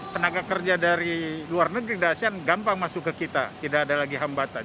tenaga kerja dari luar negeri dari asean gampang masuk ke kita tidak ada lagi hambatan